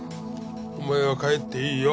お前は帰っていいよ。